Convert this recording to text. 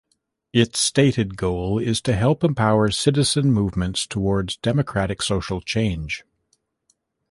Its stated goal is "to help empower citizen movements towards democratic social change".